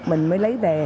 mình mới lấy về